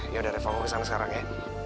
yaudah reva aku kesana sekarang ya